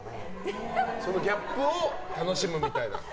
そのギャップを楽しむみたいな。